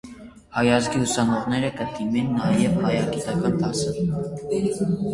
Հայազգի ուսանողները կը դիմեն նաեւ հայագիտական դասանիւթեր։